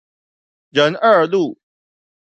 仁二路